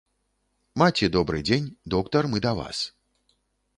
Маці добры дзень, доктар мы да вас.